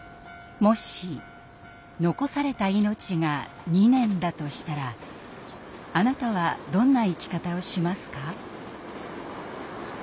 もし残された命が２年だとしたらあなたはどんな生き方をしますか？